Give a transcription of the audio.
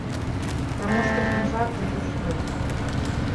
Таму што пінжак гэта што?